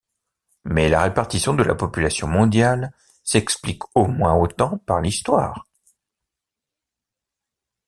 Mais la répartition de la population mondiale s'explique au moins autant par l'histoire.